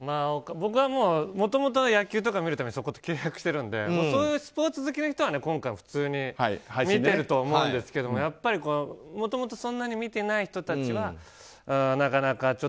僕はもともと野球とか見るために契約してるのでそういうスポーツ好きの人は今回普通に見てると思うんですけどやっぱりもともとそんなに見てない人たちはなかなか。